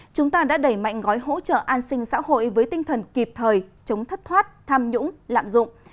chúng ta đã đẩy mạnh gói hỗ trợ an sinh xã hội với tinh thần kịp thời chống thất thoát tham nhũng lạm dụng